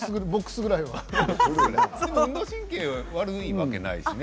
運動神経悪いわけないしね。